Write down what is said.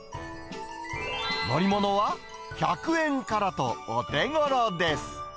乗り物は１００円からとお手頃です。